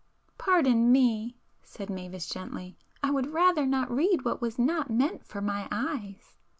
"Pardon me,—" said Mavis gently—"I would rather not read what was not meant for my eyes."